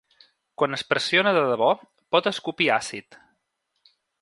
Quan es pressiona de debò, pot escopir àcid.